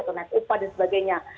atau nesupa dan sebagainya